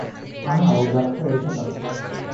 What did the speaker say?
আহা, ওর গাছটা রেখে দাও।